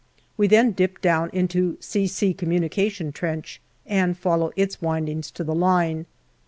We then dip down into " C.C." communication trench, and follow its windings to the line.